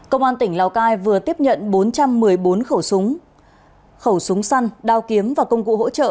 công an tỉnh lào cai vừa tiếp nhận bốn trăm một mươi bốn khẩu súng khẩu súng săn đao kiếm và công cụ hỗ trợ